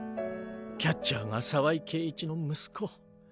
キャッチャーが澤井圭一の息子。